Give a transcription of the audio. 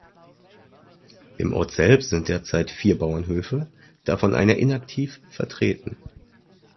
Im Ort selbst sind derzeit vier Bauernhöfe, davon einer inaktiv, vertreten.